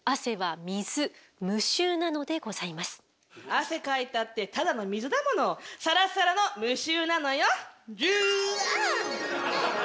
汗かいたってただの水だものサラサラの無臭なのよ。